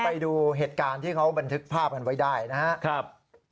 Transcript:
ไปดูเหตุการณ์ที่เขาบันทึกภาพกันไว้ได้นะครับ